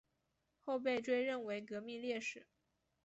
后被追认为革命烈士。